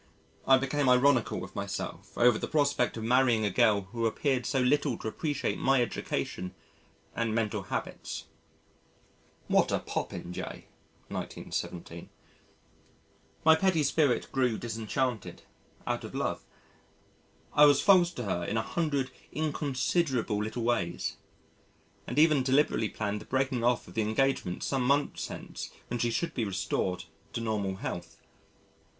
I became ironical with myself over the prospect of marrying a girl who appeared so little to appreciate my education and mental habits. [What a popinjay! 1917.] My petty spirit grew disenchanted, out of love. I was false to her in a hundred inconsiderable little ways and even deliberately planned the breaking off of the engagement some months hence when she should be restored to normal health.